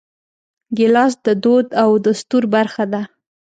ګیلاس د دود او دستور برخه ده.